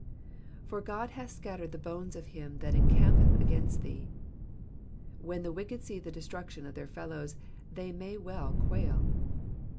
^*'For €hd hath scattered the hones of him that eneampeth against thee,^^ When the wicked see the destruction of their fellows they may well quail.